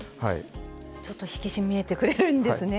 ちょっと引き締めてくれるんですね。